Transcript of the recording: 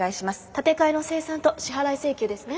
立て替えの精算と支払い請求ですね。